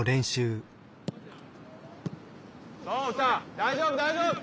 大丈夫大丈夫！